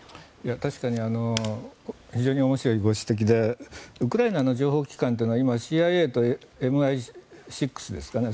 確かに非常に面白いご指摘でウクライナの情報機関というのは今ＣＩＡとＭＩ６ですかね